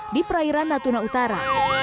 di perairan natuna utara